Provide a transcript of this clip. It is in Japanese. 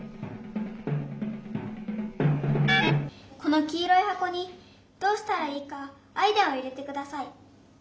このきいろいはこにどうしたらいいかアイデアを入れてください。